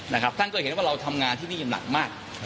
ท่านก็เห็นว่าเราทำงานที่นี่หนักมาก